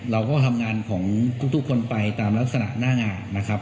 เราก็ทำงานของทุกคนไปตามลักษณะหน้างานนะครับ